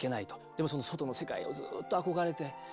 でもその外の世界をずっと憧れて。